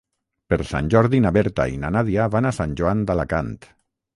Per Sant Jordi na Berta i na Nàdia van a Sant Joan d'Alacant.